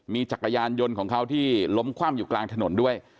มีจักรยานยนต์ของเขาที่ล้มคว่ำอยู่กลางถนนด้วย